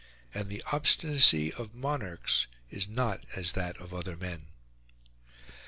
And the obstinacy of monarchs is not as that of other men.